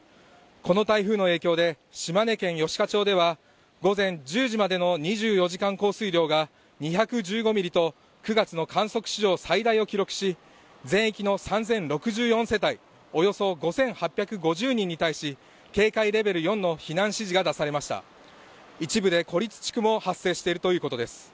この台風の影響で島根県吉賀町では午前１０時までの２４時間降水量が２１５ミリと９月の観測史上最大を記録し全域の３０６４世帯およそ５８５０人に対し警戒レベル４の避難指示が出されました一部で孤立地区も発生しているということです